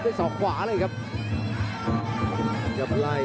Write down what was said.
พยาบกระแทกมัดเย็บซ้าย